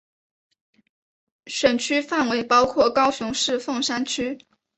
选区范围包括高雄市凤山区。